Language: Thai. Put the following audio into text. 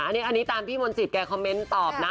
อันนี้ตามพี่มนตรีแกคอมเมนต์ตอบนะ